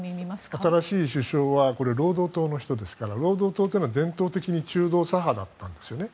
新しい首相は労働党の人ですから労働党というのは伝統的に中道左派だったんですよね。